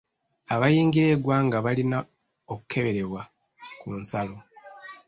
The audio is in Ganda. Abayingira eggwanga balina okukeberebwa ku nsalo.